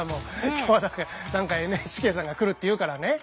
今日は何かＮＨＫさんが来るっていうからね。